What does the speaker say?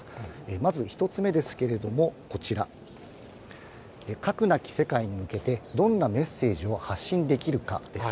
まず１つ目ですけれども、こちら、核なき世界に向けてどんなメッセージを発信できるかです。